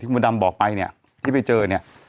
คุณดำบอกไปเนี่ยที่ไปเจอเนี่ย